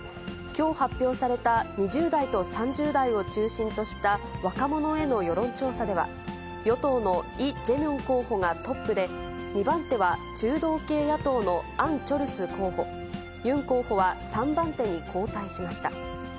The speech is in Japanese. きょう発表された２０代と３０代を中心とした若者への世論調査では、与党のイ・ジェミョン候補がトップで、２番手は中道系野党のアン・チョルス候補、ユン候補は３番手に後退しました。